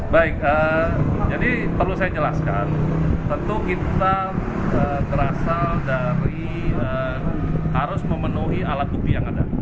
baik jadi perlu saya jelaskan tentu kita berasal dari harus memenuhi alat bukti yang ada